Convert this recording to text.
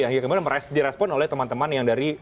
yang kemudian direspon oleh teman teman yang dari